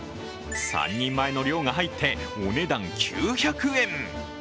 ３人前の量が入ってお値段９００円。